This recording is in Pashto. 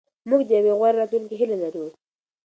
موږ د یوې غوره راتلونکې هیله لرو.